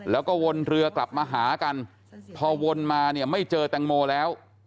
แล้วก็วนเรือกลับมาหากันพอวนมาเนี่ยไม่เจอแตงโมแล้ว